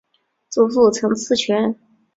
祖父陈赐全。